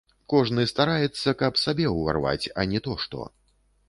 Кожны стараецца, каб сабе ўварваць, а ні то што!